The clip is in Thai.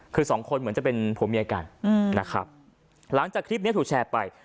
คือสองคนเหมือนจะเป็นผัวเมียกันนะครับหลังจากคลิปนี้ถูกแชร์ไป